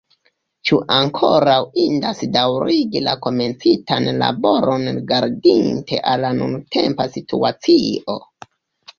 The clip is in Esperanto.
Ĉu ankoraŭ indas daŭrigi la komencitan laboron rigardinte al la nuntempa situacio?